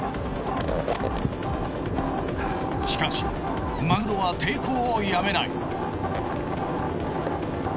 しかしマグロは抵抗をやめない。